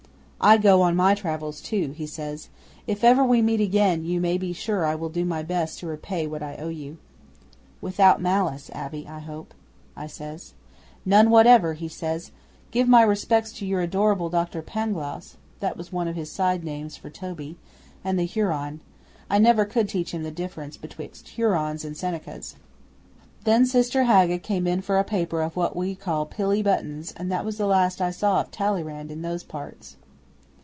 '"I go on my travels too," he says. "If ever we meet again you may be sure I will do my best to repay what I owe you." '"Without malice, Abbe, I hope," I says. '"None whatever," says he. "Give my respects to your adorable Dr Pangloss" (that was one of his side names for Toby) "and the Huron." I never could teach him the difference betwixt Hurons and Senecas. 'Then Sister Haga came in for a paper of what we call "pilly buttons," and that was the last I saw of Talleyrand in those parts.